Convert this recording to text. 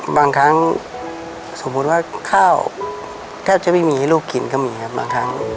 บางครั้งสมมุติว่าข้าวแทบจะไม่มีให้ลูกกินก็มีครับบางครั้ง